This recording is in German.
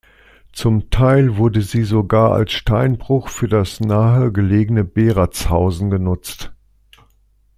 Zum Teil wurde sie sogar als Steinbruch für das nahe gelegene Beratzhausen genutzt.